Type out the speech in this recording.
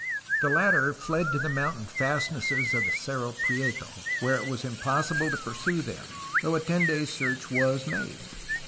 The latter fled to the mountain fastnesses of the Cerro Prieto, where it was im possible to pursue them, though a ten days' search was made.